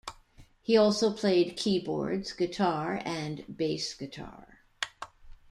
He has also played keyboards, guitar, and bass guitar.